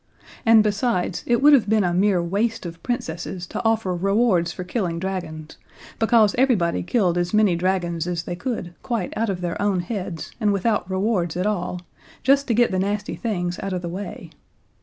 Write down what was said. And besides, it would have been a mere waste of Princesses to offer rewards for killing dragons, because everybody killed as many dragons as they could quite out of their own heads and without rewards at all, just to get the nasty things out of the way.